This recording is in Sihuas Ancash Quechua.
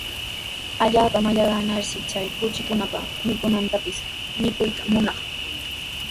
Allaapa mallaqnarshi chay kuchikunapa mikunantapis mikuytana munanaq.